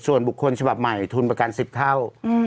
ส่วนบุคคลฉบับใหม่ทุนประกัน๑๐เท่า